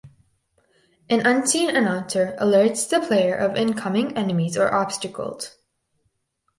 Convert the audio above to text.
An unseen announcer alerts the player of incoming enemies or obstacles.